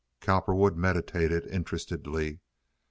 Cowperwood meditated interestedly.